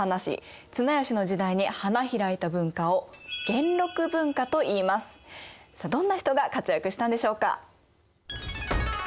綱吉の時代に花開いた文化をどんな人が活躍したんでしょうか？